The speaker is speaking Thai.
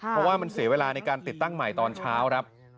เพราะว่ามันเสียเวลาในการติดตั้งใหม่ตอนเช้าครับ